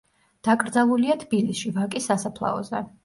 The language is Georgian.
დაკრძალულია თბილისში, ვაკის სასაფლაოზე.